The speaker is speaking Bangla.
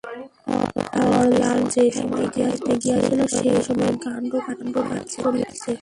হরলাল যে সময় খাইতে গিয়াছিল সেই সময় বেণু এই কাণ্ড করিয়াছে।